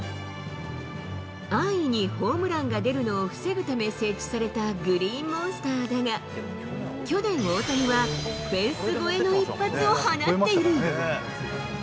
安易にホームランが出るのを防ぐため設置されたグリーンモンスターだが、去年、大谷はフェンス越えの一発を放っている。